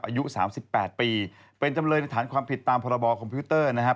อายุ๓๘ปีเป็นจำเลยในฐานความผิดตามพรบคอมพิวเตอร์นะครับ